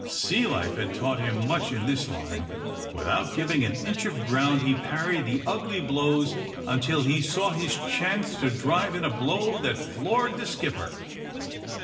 Sea life had taught him much in this line. Without giving an inch of ground he parried the ugly blows until he saw his chance to drive in a blow that floored the skipper.